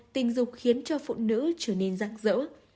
một tình dục khiến cho phụ nữ trở nên rạng rỡ